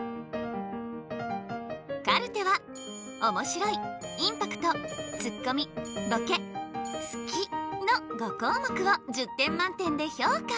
カルテはおもしろいインパクトツッコミボケ好きの５項目を１０点満点で評価。